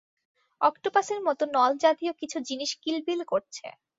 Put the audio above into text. অক্টোপাসের মতো নলজাতীয় কিছু জিনিস কিলবিল করছে।